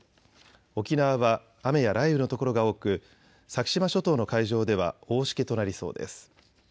沖縄は雨や雷雨の所が多く先島諸島の海上では大しけとなりそうです。